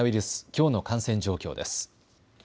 きょうの感染状況です。